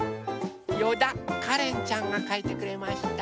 よだかれんちゃんがかいてくれました。